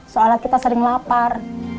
soalnya kita sering lapar